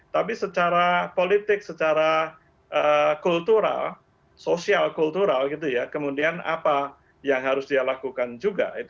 tapi secara politik secara kultural sosial kultural gitu ya kemudian apa yang harus dia lakukan juga